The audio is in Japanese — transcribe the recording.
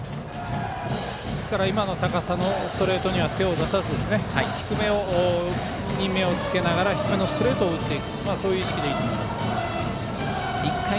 ですから高めのストレートには手を出さずに低めに目をつけて低めのストレートを打つそういう意識でいいと思います。